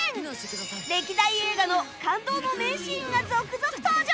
歴代映画の感動の名シーンが続々登場！